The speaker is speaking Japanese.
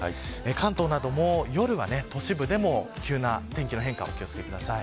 関東なども、夜は都市部でも急な天気の変化にお気を付けください。